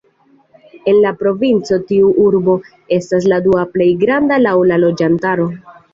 En la provinco tiu urbo estas la dua plej granda laŭ la loĝantaro.